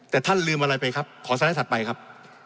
แต่ท่านลืมอะไรไปครับขอสไลด์ถัดไปครับ